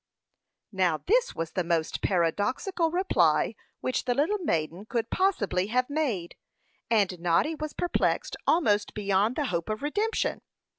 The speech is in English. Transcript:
Now, this was the most paradoxical reply which the little maiden could possibly have made, and Noddy was perplexed almost beyond the hope of redemption.